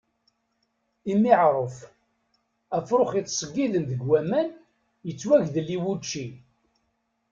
Imiɛṛuf, afṛux yettṣeggiden deg waman yettwagdel i wučči.